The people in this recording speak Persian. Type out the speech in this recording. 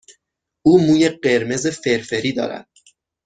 او موی قرمز فرفری دارد.